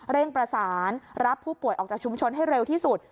เร่งประสานรับผู้ป่วยออกจากชุมชนให้เร็วที่สุด